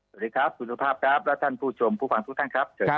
สวัสดีครับสวัสดีครับครับแล้วท่านผู้ชมผู้ฟังทุกท่านครับ